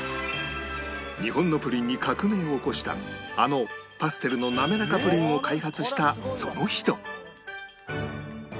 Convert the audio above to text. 日本のプリンに革命を起こしたあのパステルのなめらかプリンを開発したその人